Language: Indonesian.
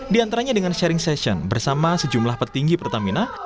di antaranya dengan sharing session bersama sejumlah petinggi pertamina